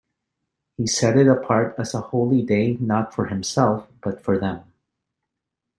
He set it apart as a holy day not for Himself, but for them.